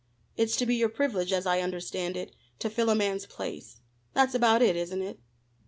It's to be your privilege, as I understand it, to fill a man's place. That's about it, isn't it?"